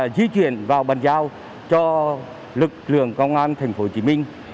di chuyển vào bàn giao cho lực lượng công an tp hcm